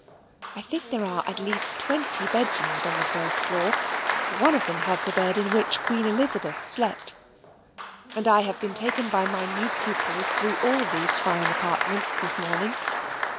I think there are at least twenty bedrooms on the first floor; one of them has the bed in which Queen Elizabeth slept; and I have been taken by my new pupils through all these fine apartments this morning.